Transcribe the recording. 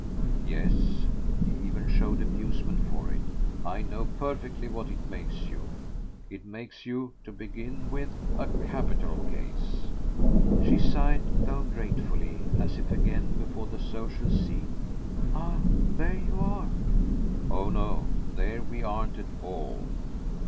"Yes" he even showed amusement for it. "I know perfectly what it makes you. It makes you, to begin with, a capital case." She sighed, though gratefully, as if again before the social scene. "Ah there you are!" "Oh no; there 'we' aren't at all!